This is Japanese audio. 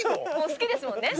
好きですもんね。